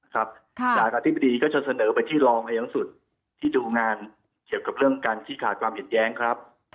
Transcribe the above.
ทางอธิบดีก็จะเสนอไปที่รองอายการสูงสุดที่ดูงานเกี่ยวกับเรื่องการขี้ขาดความเห็นแย้งครับ